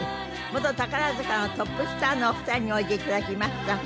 元宝塚のトップスターのお二人においで頂きました。